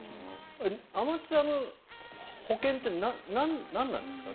アマチュアの保険って何なんですか。